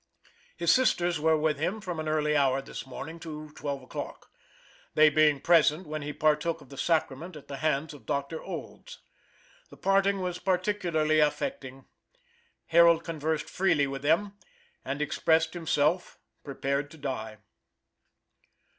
His sisters were with him from an early hour this morning to twelve o'clock; they being present when he partook of the sacrament at the hands of Dr. Olds. The parting was particularly affecting. Harold conversed freely with them, and expressed himself prepared to die.